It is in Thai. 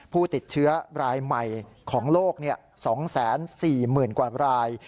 ผู้ติดเชื้อรายใหม่ของโลก๒๔๐๐๐กว่าราย